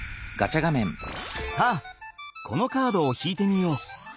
さあこのカードを引いてみよう！